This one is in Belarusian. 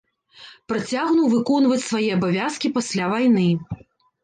Працягнуў выконваць свае абавязкі пасля вайны.